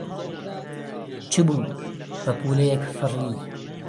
چ بوو پەپوولەیەک فڕی